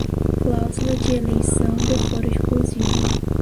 cláusula de eleição de foro exclusivo